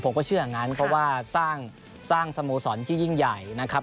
เชื่ออย่างนั้นเพราะว่าสร้างสโมสรที่ยิ่งใหญ่นะครับ